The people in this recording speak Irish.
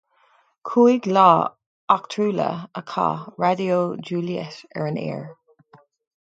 Cúig lá eachtrúla a chaith Raidió Juliette ar an aer.